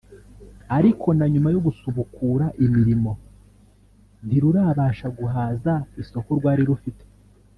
ariko na nyuma yo gusubukura imirimo ntirurabasha guhaza isoko rwari rufite